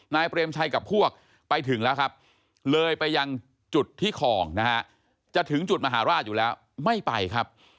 เปรมชัยกับพวกไปถึงแล้วครับเลยไปยังจุดที่คลองนะฮะจะถึงจุดมหาราชอยู่แล้วไม่ไปครับ